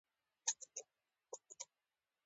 پامیر د افغانستان د طبعي سیسټم توازن ساتي.